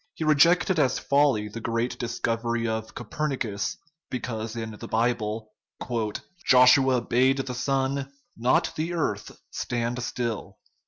He rejected as folly the great discovery of Copernicus, because in the Bible " Joshua bade the sun, not the earth, stand still."